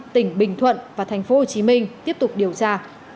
tỉnh bình thuận và thành phố hồ chí minh tiếp tục điều tra